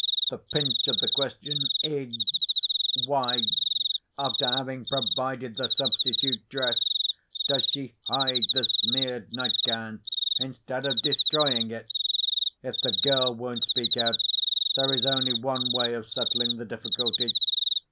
The pinch of the question is—why, after having provided the substitute dress, does she hide the smeared nightgown, instead of destroying it? If the girl won't speak out, there is only one way of settling the difficulty.